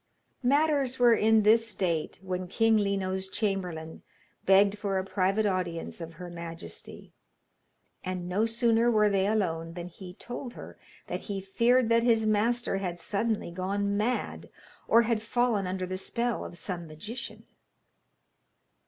Matters were in this state when King Lino's chamberlain begged for a private audience of her majesty, and no sooner were they alone than he told her that he feared that his master had suddenly gone mad, or had fallen under the spell of some magician.